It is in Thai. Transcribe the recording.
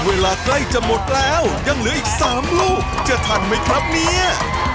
เวลาใกล้จะหมดแล้วยังเหลืออีก๓ลูกจะทันไหมครับเนี่ย